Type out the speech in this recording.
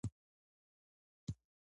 ټول توکي په یوه شي کې سره مشترک دي